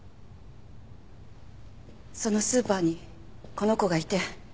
そのスーパーにこの子がいて。